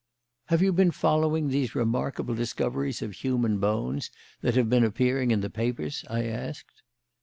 "Have you been following these remarkable discoveries of human bones that have been appearing in the papers?" I asked.